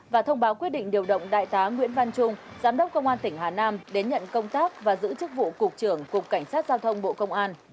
và thông báo quyết định điều động đại tá nguyễn văn trung giám đốc công an tỉnh hà nam đến nhận công tác và giữ chức vụ cục trưởng cục cảnh sát giao thông bộ công an